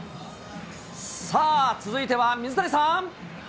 さあ、続いては水谷さん。